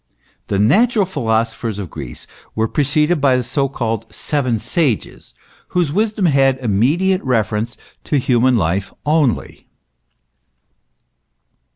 The natural philosophers of Greece were preceded by the so called seven Sages, whose wisdom had immediate reference to human life only.